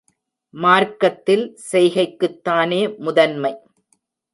மார்க்கத்தில் செய்கைக்குத்தானே முதன்மை.